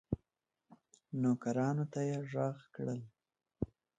نوکرانو ته یې ږغ کړل